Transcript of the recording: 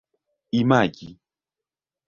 imagi